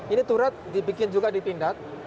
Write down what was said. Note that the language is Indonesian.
ini turet dibikin juga di pindad